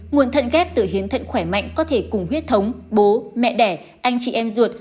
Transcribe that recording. nguồn thận ghép từ hiến thận khỏe mạnh có thể cùng huyết thống bố mẹ đẻ anh chị em ruột